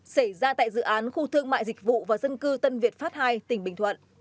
xảy ra tại dự án khu thương mại dịch vụ và dân cư tân việt pháp ii tỉnh bình thuận